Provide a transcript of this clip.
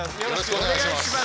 お願いします